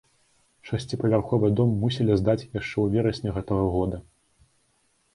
Шасціпавярховы дом мусілі здаць яшчэ ў верасні гэтага года.